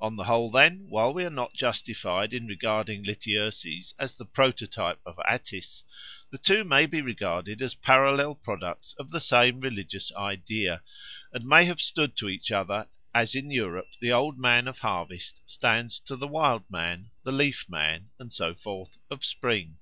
On the whole, then, while we are not justified in regarding Lityerses as the prototype of Attis, the two may be regarded as parallel products of the same religious idea, and may have stood to each other as in Europe the Old Man of harvest stands to the Wild Man, the Leaf Man, and so forth, of spring.